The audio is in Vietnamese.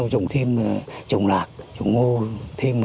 chồng thêm chồng lạc chồng ngô thêm